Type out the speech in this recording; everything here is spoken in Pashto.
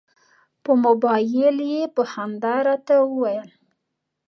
په مبایل یې په خندا راته وویل.